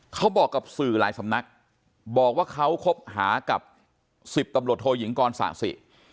เขาบอกกับสื่อหลายสำนักบอกว่าเขาคบหากับ๑๐ตำรวจโทยิงกรศาสิ